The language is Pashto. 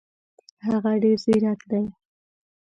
هغه ډېر زیرک دی.